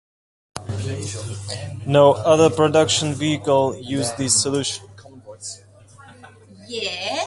No other production vehicle used this solution.